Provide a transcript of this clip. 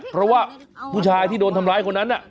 เพราะว่าผู้ชายที่โดนทำร้ายคนนั้น